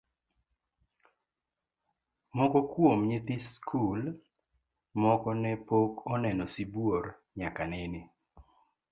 Moko kuom nyithi skul moko ne pok oneno sibuor nyaka nene.